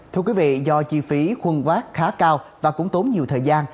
thưa quý vị do chi phí khuân quát khá cao và cũng tốn nhiều thời gian